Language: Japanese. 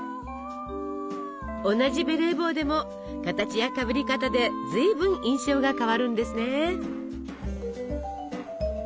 同じベレー帽でも形やかぶり方でずいぶん印象が変わるんですね。